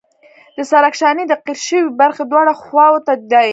د سرک شانې د قیر شوې برخې دواړو خواو ته دي